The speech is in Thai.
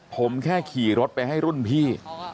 ผมแค่ขี่รถไปให้รุ่นพี่